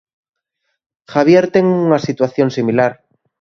Javier ten unha situación similar.